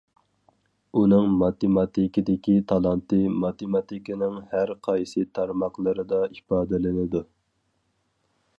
ئۇنىڭ ماتېماتىكىدىكى تالانتى ماتېماتىكىنىڭ ھەر قايسى تارماقلىرىدا ئىپادىلىنىدۇ.